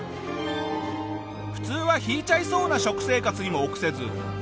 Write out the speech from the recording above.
普通は引いちゃいそうな食生活にも臆せず。